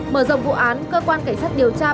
mở rộng vụ án cơ quan cảnh sát điều tra